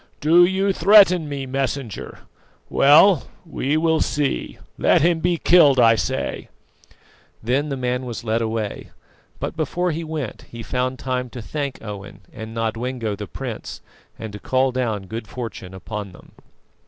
"Do you threaten me, Messenger? Well, we will see. Let him be killed, I say." Then the man was led away; but, before he went he found time to thank Owen and Nodwengo the prince, and to call down good fortune upon them.